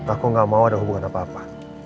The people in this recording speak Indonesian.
aku gak mau ada hubungan apa apa